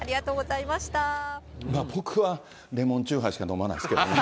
僕は、レモンチューハイしか飲まないですけどね。